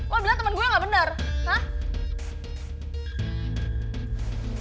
lo bilang temen gue gak benar hah